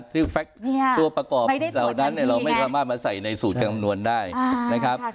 ตัวประกอบเหล่านั้นเราไม่ได้มาใส่ในสูตรคำนวณได้นะครับ